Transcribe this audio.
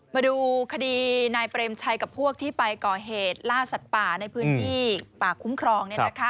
มาดูคดีนายเปรมชัยกับพวกที่ไปก่อเหตุล่าสัตว์ป่าในพื้นที่ป่าคุ้มครอง